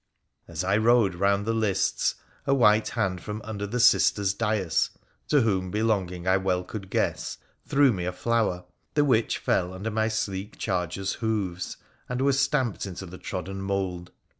As I rode round the lists, a white hand from under the sister's dais — to whom belonging I well could guess — threw me a flower, the which fell under my sleek charger's hoofs and was stamped into the trodden mould.